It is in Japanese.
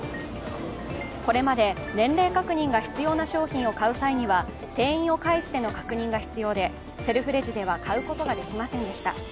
これまで年齢確認が必要な商品を買う際には店員を介しての確認が必要でセルフレジでは買うことができませんでした。